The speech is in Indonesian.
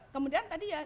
kemudian tadi ya